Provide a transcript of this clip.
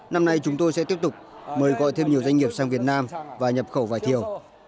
năm nay chúng tôi sẽ tiếp tục mời gọi thêm nhiều doanh nghiệp sang việt nam và nhập khẩu vải thiều